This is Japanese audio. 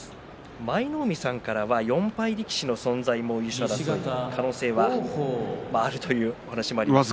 舞の海さんから４敗力士の存在も優勝の可能性があるという話もありました。